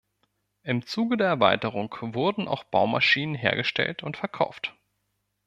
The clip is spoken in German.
Im Zuge der Erweiterung wurden auch Baumaschinen hergestellt und verkauft.